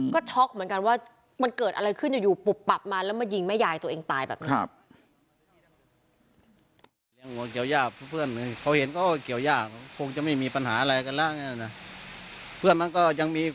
ก็ช็อกเหมือนกันว่ามันเกิดอะไรขึ้นอยู่ปุบปับมาแล้วมายิงแม่ยายตัวเองตายแบบนี้